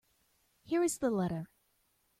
Here is the letter.